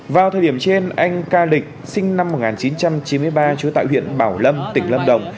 vào thời điểm trên anh ca lịch sinh năm một nghìn chín trăm chín mươi ba trú tại huyện bảo lâm tỉnh lâm đồng